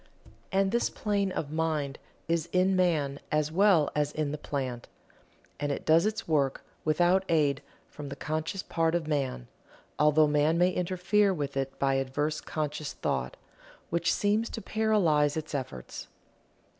And this plane of mind is in man as well as in the plant, and it does its work without aid from the conscious part of man, although man may interfere with it by adverse conscious thought, which seems to paralyze its efforts.